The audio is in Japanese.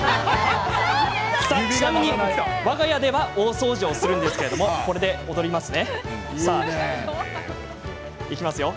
ちなみに、わが家では大掃除をするんですけれどもこれで踊りますね。